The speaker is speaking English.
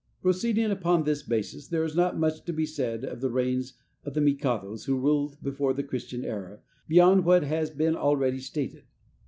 Proceeding upon this basis, there is not much to be said of the reigns of the mikados who ruled before the Christian era, beyond what has been already stated.